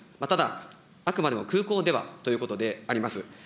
ただ、あくまでも空港ではということであります。